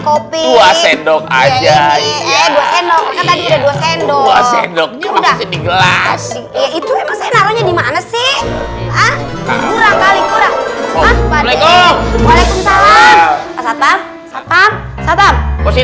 kopi sendok aja ya sendok sendok sendok di gelas itu dimana sih